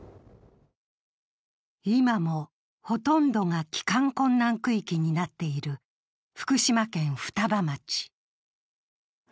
今もほとんどが帰還困難区域になっている福島県双葉町。